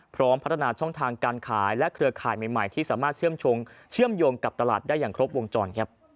พร้อมพัฒนาช่องทางการขายและเครือข่ายใหม่ที่สามารถเชื่อมโยงกับตลาดได้อย่างครบวงจร